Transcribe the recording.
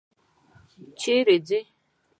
چیري ځې؟